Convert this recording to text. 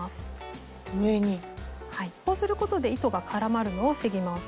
こうすることで糸が絡まるのを防ぎます。